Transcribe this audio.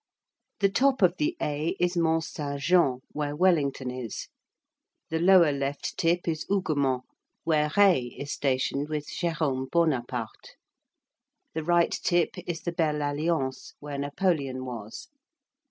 The top of the A is Mont Saint Jean, where Wellington is; the lower left tip is Hougomont, where Reille is stationed with Jérôme Bonaparte; the right tip is the Belle Alliance, where Napoleon was.